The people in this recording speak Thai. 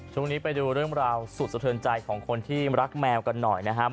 ช่วงนี้ไปดูเรื่องราวสุดสะเทินใจของคนที่รักแมวกันหน่อยนะครับ